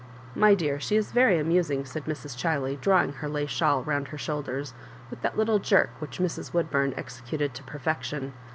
My dear, she is very amusing," said Mrs. jDhiley, drawing her lace shawl round her shoul> ders with that Jittle jerk which Mrs. Woodbum executed to perfection.